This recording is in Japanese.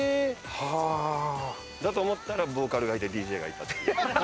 はあ！だと思ったらボーカルがいてＤＪがいたっていう。